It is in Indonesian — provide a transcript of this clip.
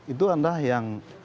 itu anda yang